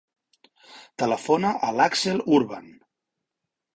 Telefona a l'Axel Urban.